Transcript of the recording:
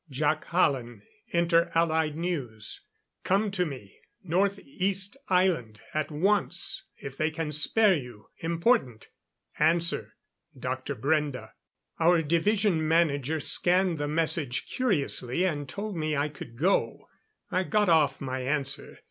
Jac Hallen, Inter Allied News. Come to me, North east Island at once, if they can spare you. Important. Answer. Dr. Brende. Our Division Manager scanned the message curiously and told me I could go. I got off my answer.